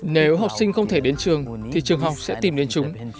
nếu học sinh không thể đến trường thì trường học sẽ tìm đến chúng